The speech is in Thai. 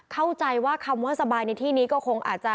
เข้าใจว่าคำว่าสบายในที่นี้ก็คงอาจจะ